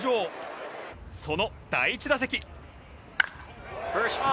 その第１打席。